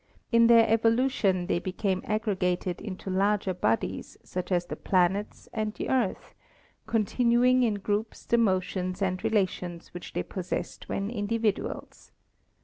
In their evolu tion they became aggregated into larger bodies, such as the planets and the Earth, continuing in groups the motions and relations which they possessed when individuals.